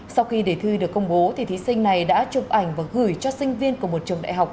sau khi đề thi được công bố thí sinh này đã chụp ảnh và gửi cho sinh viên của một trường đại học